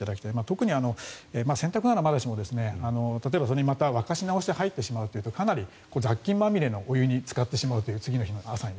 特に洗濯ならまだしもそれに沸かし直して入ってしまうとかなり雑菌まみれのお風呂につかってしまうという次の日の朝に。